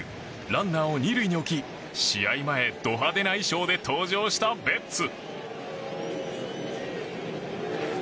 ランナーを２塁に置き試合前ド派手な衣装で登場したベッツ。